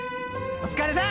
お疲れさん。